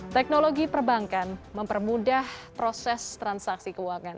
teknologi perbankan mempermudah proses transaksi keuangan